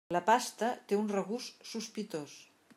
La pasta té un regust sospitós.